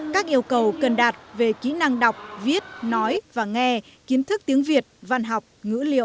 các yêu cầu cần đạt về kỹ năng đọc viết nói và nghe kiến thức tiếng việt văn học ngữ liệu